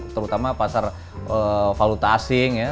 terutama pasar valuta asing ya